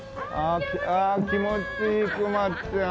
ああ気持ちいいクマちゃん。